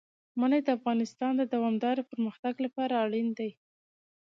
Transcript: منی د افغانستان د دوامداره پرمختګ لپاره اړین دي.